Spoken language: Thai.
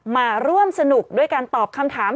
มาร่วมสนุกด้วยการตอบคำถาม